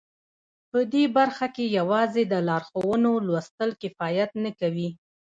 په دې برخه کې یوازې د لارښوونو لوستل کفایت نه کوي